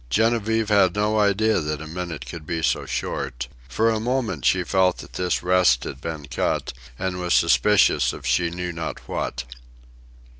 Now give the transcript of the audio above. Genevieve had no idea that a minute could be so short. For a moment she felt that this rest had been cut, and was suspicious of she knew not what.